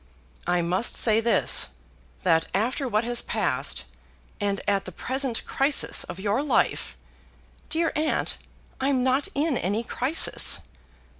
"I must say this that after what has passed, and at the present crisis of your life " "Dear aunt, I'm not in any crisis."